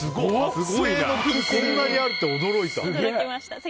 こんなにあるって驚いた。